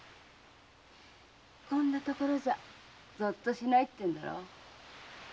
こんな所じゃぞっとしないってんだろ。